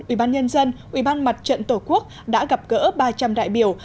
ubnd ubnd mặt trận tổ quốc đã gặp gỡ ba trăm linh đại biểu